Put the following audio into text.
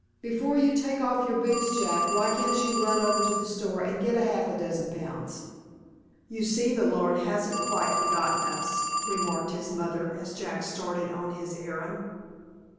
Before you take off your boots, Jack, why can't you run over to the store, and get half a dozen pounds?" "You see the Lord hasn't quite forgotten us," remarked his mother, as Jack started on his errand.